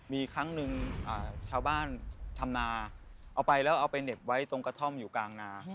มีครั้งหนึ่งชาวบ้านทำนาเอาไปแล้วเอาไปเหน็บไว้ตรงกระท่อมอยู่กลางนา